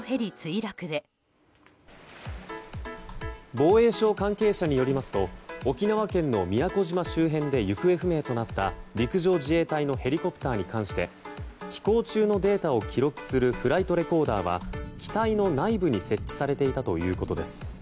防衛省関係者によりますと沖縄県の宮古島周辺で行方不明となった陸上自衛隊のヘリコプターに関して飛行中のデータを記録するフライトレコーダーは機体の内部に設置されていたということです。